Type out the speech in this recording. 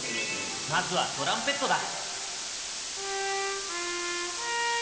まずはトランペットだ！